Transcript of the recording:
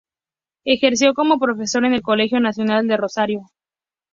Ejerció como profesor en el Colegio Nacional de Rosario.